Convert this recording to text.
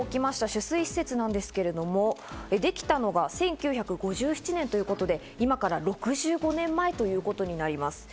取水施設なんですけれども、できたのが１９５７年ということで今から６５年前ということになります。